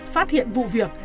phát hiện vụ việc